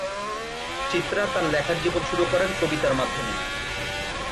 চিত্রা তার লেখার জীবন শুরু করেন কবিতার মাধ্যমে।